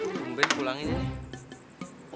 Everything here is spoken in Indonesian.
pemben pulangin aja nih